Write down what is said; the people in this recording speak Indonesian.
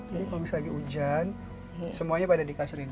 jadi kalau misalnya lagi hujan semuanya pada di kasur ini